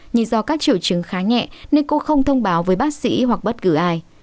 nhưng do các triệu chứng khá nhẹ nên cô không thông báo với bác sĩ hoặc bất cứ ai